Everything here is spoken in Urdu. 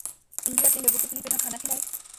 انڈیا اپنے لوگوں کو صحیح طرح کھانا کھلائے